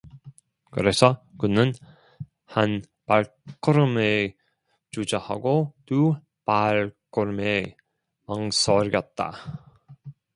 그래서 그는 한 발걸음에 주저하고 두 발걸음에 망설였다.